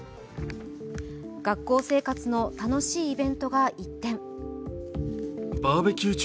学校生活の楽しいイベントが一転。